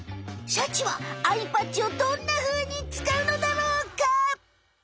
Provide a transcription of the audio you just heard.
シャチはアイパッチをどんなふうにつかうのだろうか？